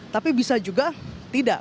tapi bisa juga tidak